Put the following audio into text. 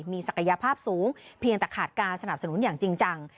มีศักยภาพสูงเพียงแต่ขาดการสนับสนุนอย่างจริงจัง